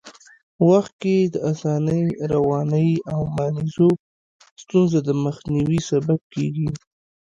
وخت کي د اسانۍ، روانۍ او مانیزو ستونزو د مخنیوي سبب کېږي.